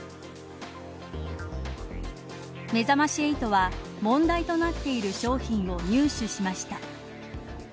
めざまし８は、問題となっている商品を入手しました。